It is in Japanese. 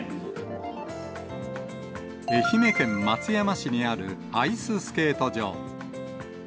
愛媛県松山市にあるアイススケート場。